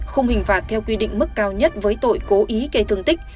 không hình phạt theo quy định mức cao nhất với tội cố ý gây tường tích